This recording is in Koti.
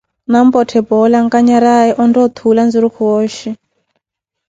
Nampotthe poola, ankanyaraaye ontta othuula nzurukhu wooshi.